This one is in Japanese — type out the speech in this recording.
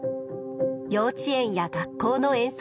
幼稚園や学校の遠足で。